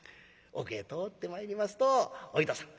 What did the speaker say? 奥へ通ってまいりますとお糸さん